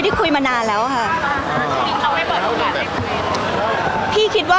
พี่ตอบได้แค่นี้จริงค่ะ